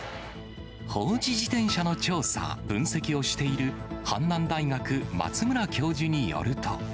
放置自転車の調査・分析をしている阪南大学、松村教授によると。